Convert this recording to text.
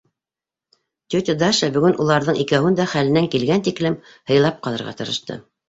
Тетя Даша бөгөн уларҙың икәүһен дә хәленән килгән тиклем һыйлап ҡалырға тырышты.